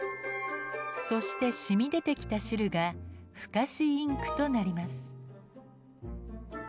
そしてしみ出てきた汁が不可視インクとなります。